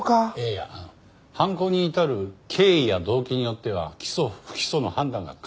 いやあの犯行に至る経緯や動機によっては起訴不起訴の判断が変わってくるんですよ。